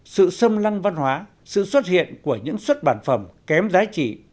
sự xâm lăng văn hóa sự xuất hiện của những xuất bản phẩm kém giá trị